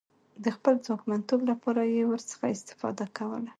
د خپل ځواکمنتوب لپاره یې ورڅخه استفاده کوله.